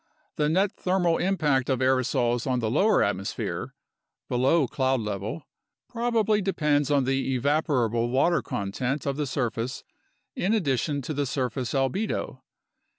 The net thermal impact of aerosols on the lower atmosphere (below cloud level) prob ably depends on the evaporable water content of the surface in addition to the surface albedo.